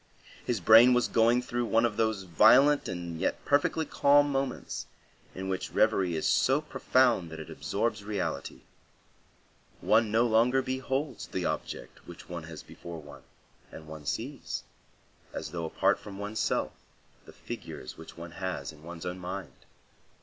His brain was going through one of those violent and yet perfectly calm moments in which reverie is so profound that it absorbs reality. One no longer beholds the object which one has before one, and one sees, as though apart from one's self, the figures which one has in one's own mind.